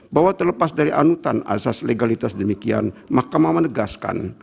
bahwa terlepas dari anutan asas legalitas demikian mahkamah menegaskan